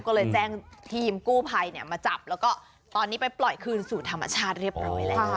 ก็เลยแจ้งทีมกู้ภัยมาจับแล้วก็ตอนนี้ไปปล่อยคืนสู่ธรรมชาติเรียบร้อยแล้ว